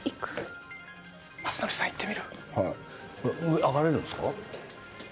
上、上がれるんですか？